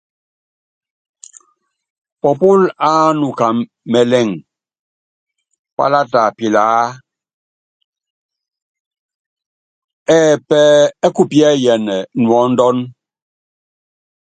Pɔpúl ánuka mɛlɛŋ, pálata pilaá ɛ́ kupíɛ́yɛn nuɔ́ndɔ́n.